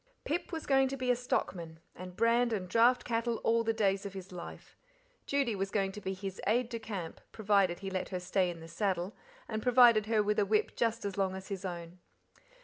Pip was going to be a stockman, and brand and draft cattle all the days of his life. Judy was going to be his "aide de camp", provided he let her stay in the saddle, and provided her with a whip just as long as his own.